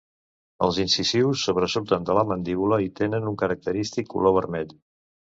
Els incisius sobresurten de la mandíbula i tenen un característic color vermell.